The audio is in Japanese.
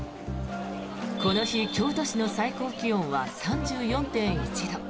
この日、京都市の最高気温は３４．１度。